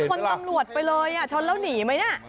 ชนตำรวจไปเลยชนแล้วหนีไหมเนี่ย